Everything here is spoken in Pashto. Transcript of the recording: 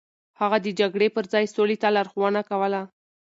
هغه د جګړې پر ځای سولې ته لارښوونه کوله.